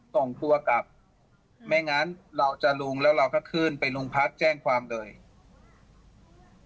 ส่งตัวกลับไม่งั้นเราจะลุงแล้วเราก็ขึ้นไปโรงพักแจ้งความเลย